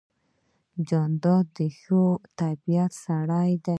جانداد د ښه طبیعت سړی دی.